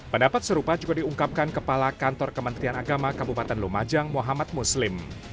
pendapat serupa juga diungkapkan kepala kantor kementerian agama kabupaten lumajang muhammad muslim